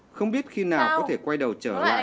không biết khi nào có thể quay đầu trở lại